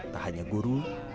tak hanya guru